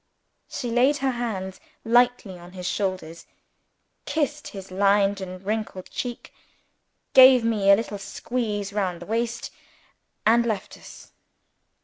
She laid her hands lightly on his shoulders; kissed his lined and wrinkled cheek; gave me a little squeeze round the waist and left us.